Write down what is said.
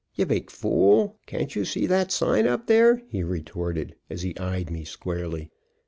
"You big fool, can't you see that sign up there?" he retorted, as he eyed me squarely.